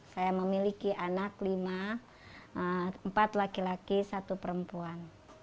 saya memiliki anak lima empat laki laki satu perempuan